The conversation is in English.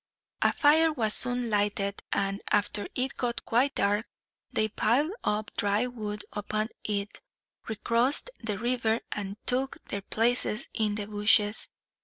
A fire was soon lighted and, after it got quite dark, they piled up dry wood upon it, recrossed the river, and took their places in the bushes.